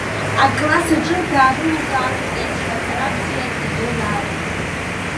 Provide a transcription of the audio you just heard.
Акласс аҿы даарылукаартә еиԥш аҵара бзиа ибозаарын.